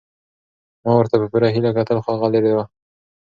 ما ورته په پوره هیله کتل خو هغه لیرې وه.